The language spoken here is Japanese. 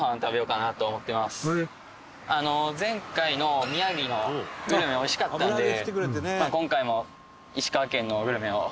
前回の宮城のグルメ美味しかったので今回も。